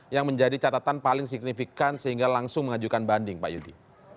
yang menjadi catatan paling signifikan sehingga langsung mengajukan banding pak yudi